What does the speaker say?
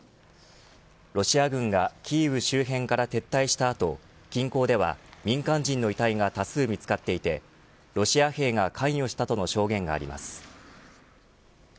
ロシア軍がキーウ周辺から撤退した後、近郊では民間人の遺体が多数見つかっていてロシア兵が関与したとの証言があります。